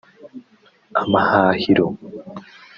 amahahiro